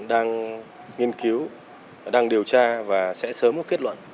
đang nghiên cứu đang điều tra và sẽ sớm có kết luận